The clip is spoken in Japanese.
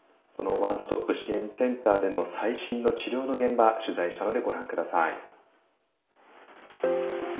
そのワンストップ支援センターでの最新の治療の現場取材したのでご覧下さい。